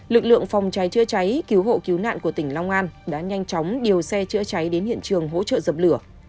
lực lượng phòng cháy chữa cháy cứu hộ cứu nạn của tỉnh long an đã nhanh chóng điều xe chữa cháy đến hiện trường hỗ trợ dập lửa